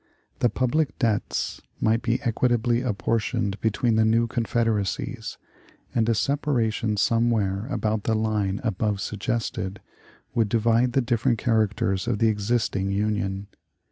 The public debts might be equitably apportioned between the new confederacies, and a separation somewhere about the line above suggested would divide the different characters of the existing Union.